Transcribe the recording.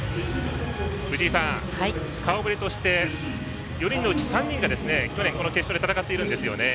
藤井さん、顔ぶれとして４人のうち３人が去年この決勝で戦っているんです。